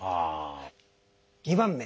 ２番目。